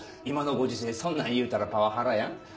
今のご時世そんなん言うたらパワハラやん？